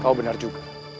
kau benar juga